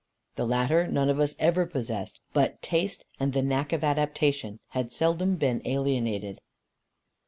The latter none of us ever possessed; but taste and the knack of adaptation had seldom been alienated.